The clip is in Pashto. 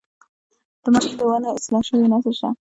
د مڼو د ونو اصلاح شوی نسل شته